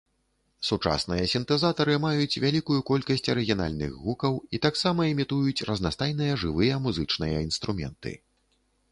Сучасныя сінтэзатары маюць вялікую колькасць арыгінальных гукаў і таксама імітуюць разнастайныя жывыя музычныя інструменты.